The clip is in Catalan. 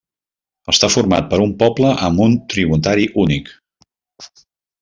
Està format per un poble amb un tributari únic.